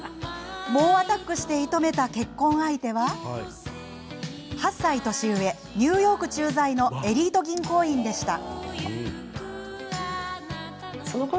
猛アタックして射止めた結婚相手は８歳年上、ニューヨーク駐在のエリート銀行員でした。